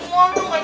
itu gue kamar